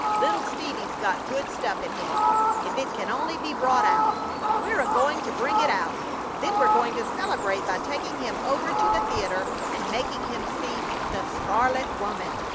Little Stevie's got good stuff in him if it can only be brought out. We're a going to bring it out. Then we're going to celebrate by taking him over to the theater and making him see 'The Scarlet Woman.'